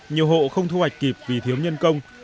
nhiều hộ không thu hoạch kịp vì thiếu nhân công